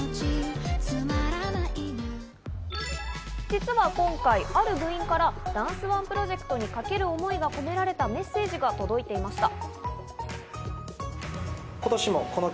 実は今回、ある部員からダンスＯＮＥプロジェクトにかける思いが込められたメッセージが届いていました。